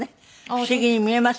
不思議に見えますよ